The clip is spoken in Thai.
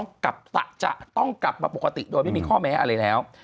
จะต้องกลับมาปกติโดยไม่มีข้อแม้อะไรแล้ว